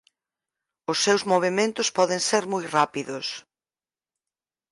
Os seus movementos poden ser moi rápidos.